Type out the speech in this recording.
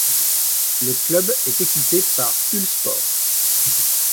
Le club est équipé par Uhlsport.